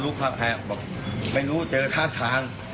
ลูกท้าแคบบอกบอกไม่รู้เจอกลักทาง